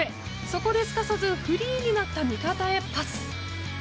そこですかさずフリーになった味方へパス。